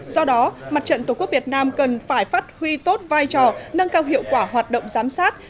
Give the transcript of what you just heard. do đó mặt trận tổ quốc việt nam cần phải phát huy tốt vai trò nâng cao hiệu quả hoạt động giám sát